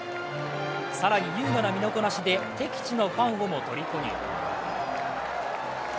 更に優雅な身のこなしで敵地のファンをもとりこに。